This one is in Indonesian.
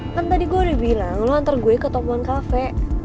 kan tadi gue udah bilang lo antar gue ke topon kafe